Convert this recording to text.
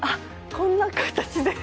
こんな形で。